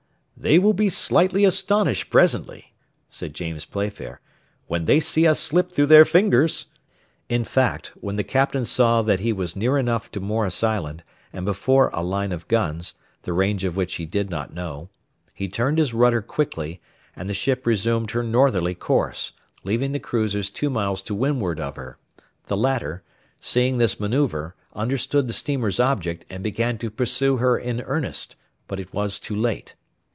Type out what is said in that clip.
"They will be slightly astonished presently," said James Playfair, "when they see us slip through their fingers!" In fact, when the Captain saw that he was near enough to Morris Island, and before a line of guns, the range of which he did not know, he turned his rudder quickly, and the ship resumed her northerly course, leaving the cruisers two miles to windward of her; the latter, seeing this manoeuvre, understood the steamer's object, and began to pursue her in earnest, but it was too late.